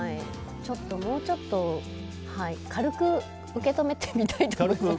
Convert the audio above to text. もうちょっと軽く受け止めてみたいと思います。